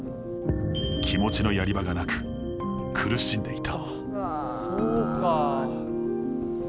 気持ちのやり場がなく苦しんでいた。